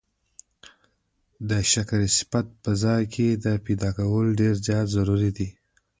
د شکر صفت په ځان کي پيدا کول ډير زيات ضروري دی